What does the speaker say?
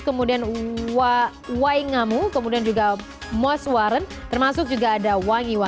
kemudian waingamu kemudian juga mos warren termasuk juga ada wangi